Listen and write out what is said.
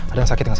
ada yang sakit gak